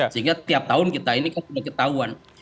sehingga tiap tahun kita ini kan sudah ketahuan